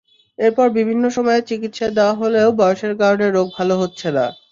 এরপর বিভিন্ন সময়ে চিকিত্সা দেওয়া হলেও বয়সের কারণে রোগ ভালো হচ্ছে না।